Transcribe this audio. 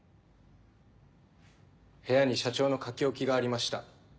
部屋に社長の書き置きがありました。